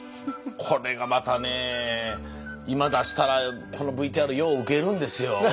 これがまたねえ今出したらこのＶＴＲようウケるんですよこれ。